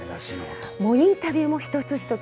もうインタビューも、一つ一つ